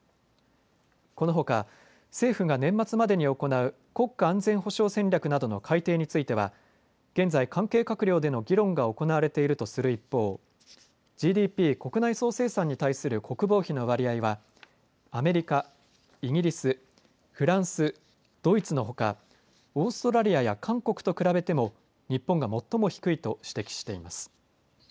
このほか、政府が年末までに行う国家安全保障戦略などの改定については現在、関係閣僚での議論が行われているとする一方、ＧＤＰ・国内総生産に対する国防費の割合はアメリカ、イギリス、フランス、ドイツのほか、オーストラリアや韓国と比べても日本が最も低いと指摘しています。